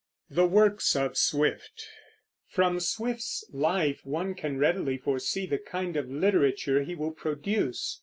THE WORKS OF SWIFT. From Swift's life one can readily foresee the kind of literature he will produce.